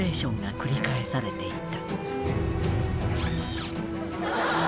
「繰り返されていた」